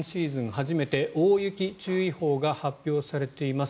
初めて大雪注意報が発表されています。